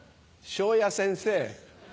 昇也先生。